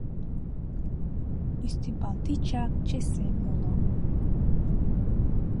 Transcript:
Ӱстембал тичак чесем уло.